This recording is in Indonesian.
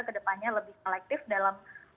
kedepannya lebih kolektif dalam